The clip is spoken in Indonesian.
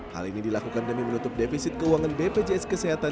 hal ini dilakukan demi menutup defisit keuangan bpjs kesehatan